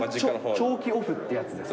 長期オフってやつですか。